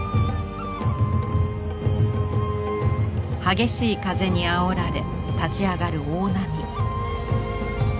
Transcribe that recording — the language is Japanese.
激しい風にあおられ立ち上がる大波。